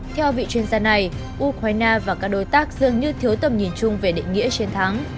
theo vị chuyên gia này ukraine và các đối tác dường như thiếu tầm nhìn chung về định nghĩa chiến thắng